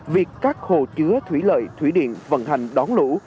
việc các hồ chứa thủy lợi thủy điện vận hành đón lũ